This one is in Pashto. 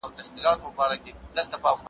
خدای ورکړی وو کمال په تول تللی `